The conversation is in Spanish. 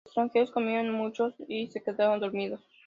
Los extranjeros comieron y muchos se quedaron dormidos.